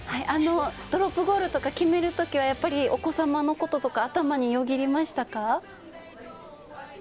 ドロップゴールを決めるときは、お子様のこととか頭によぎりましたか？